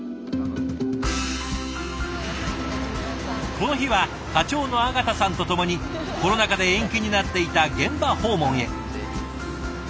この日は課長の縣さんとともにコロナ禍で延期になっていた現場訪問へ。